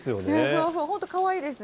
本当かわいいですね。